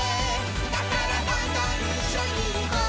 「だからどんどんいっしょにいこう」